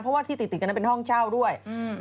เพราะว่าที่ติดกันเป็นห้องเจ้าด้วย